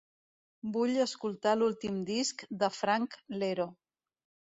Vull escoltar l'últim disc de Frank Iero